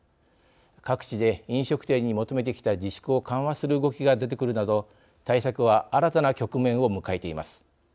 各地で飲食店に求めてきた自粛を緩和する動きが出てくるなど対策は新たな局面を迎えています。